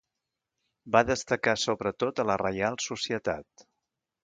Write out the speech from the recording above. Va destacar sobretot a la Reial Societat.